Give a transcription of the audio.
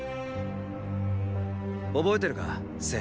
覚えてるか政。